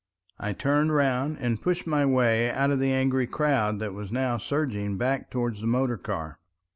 I turned round and pushed my way out of the angry crowd that was now surging back towards the motor car.